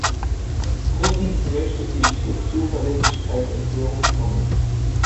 Drittens möchte ich zur Zuverlässigkeitserklärung kommen.